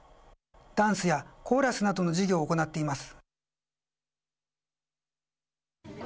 ダンスやコーラスなどの授業を行っています。